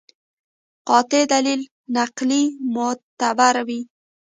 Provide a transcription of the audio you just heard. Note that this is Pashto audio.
قاطع دلیل نقلي معتبر وي.